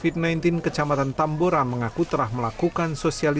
di atas tempat saya pertama kali